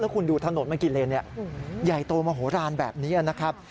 คุณดูถนนมากี่เลนใหญ่โตมโหลานแบบนี้นะครับ